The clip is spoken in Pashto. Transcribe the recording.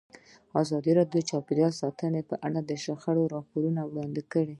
ازادي راډیو د چاپیریال ساتنه په اړه د شخړو راپورونه وړاندې کړي.